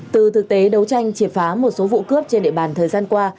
từ thực tế đấu tranh triệt phá một số vụ cướp trên địa bàn thời gian qua